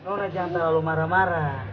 lona jangan terlalu marah marah